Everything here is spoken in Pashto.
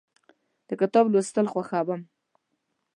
د کتاب لوستل خوښوم.